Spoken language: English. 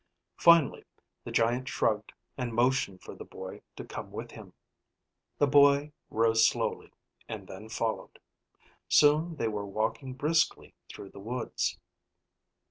Finally the giant shrugged, and motioned for the boy to come with him. The boy rose slowly, and then followed. Soon they were walking briskly through the woods.